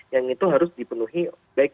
yang itu harus dipenuhi baik